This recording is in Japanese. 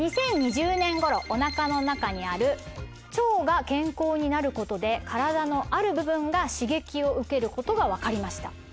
２０２０年頃お腹の中にある腸が健康になることで体のある部分が刺激を受けることが分かりました。